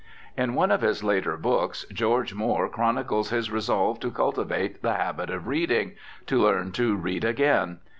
In one of his later books George Moore chronicles his resolve to cultivate the habit of reading, to learn to read again.